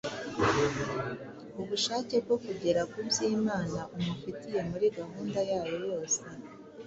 ubushake bwo kugera ku by’Imana umufitiye muri gahunda yayo yose